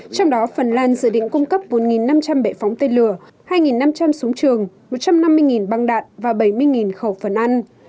trong đó phần lan dự định cung cấp bốn năm trăm linh bệ phóng tên lửa hai năm trăm linh súng trường một trăm năm mươi băng đạn và bảy mươi khẩu phần ăn